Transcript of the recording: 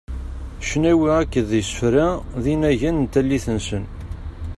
Cnawi akked isefra d inagan n tallit-nsen.